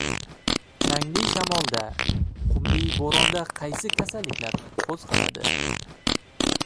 Changli shamolda, qumli bo‘ronda qaysi kasalliklar qo‘zg‘aladi?